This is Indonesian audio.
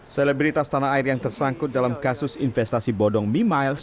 selebritas tanah air yang tersangkut dalam kasus investasi bodong mimiles